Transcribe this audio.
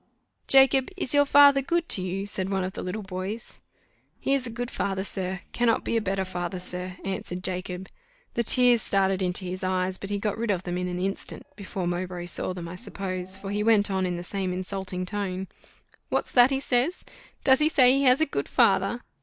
"Jacob, is your father good to you?" said one of the little boys. "He is a good father, sir cannot be a better father, sir," answered Jacob: the tears started into his eyes, but he got rid of them in an instant, before Mowbray saw them, I suppose, for he went on in the same insulting tone. "What's that he says? Does he say he has a good father?